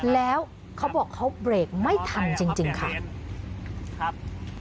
แล้วเขาบอกเขาเบรกไม่ทันจริงค่ะครับ